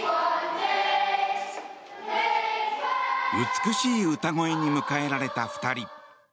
美しい歌声に迎えられた２人。